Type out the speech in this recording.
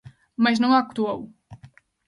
Mais non actuou.